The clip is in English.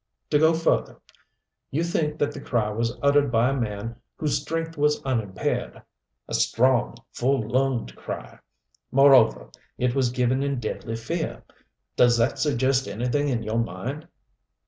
To go further. You think that the cry was uttered by a man whose strength was unimpaired. A strong, full lunged cry. Moreover, it was given in deadly fear. Does that suggest anything in your mind?"